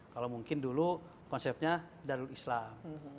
kalau mungkin dulu konsepnya darul islam